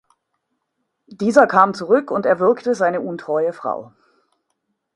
Dieser kam zurück und erwürgte seine untreue Frau.